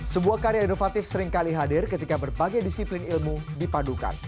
sebuah karya inovatif seringkali hadir ketika berbagai disiplin ilmu dipadukan